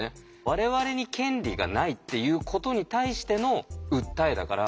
我々に権利がないっていうことに対しての訴えだから。